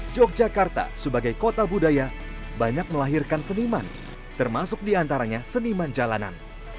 yogyakarta sebagai kota budaya banyak melahirkan seniman termasuk diantaranya seniman jalanan